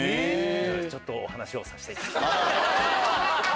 ちょっと話をさせていただきます。